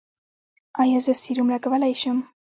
ایا زه سیروم لګولی شم؟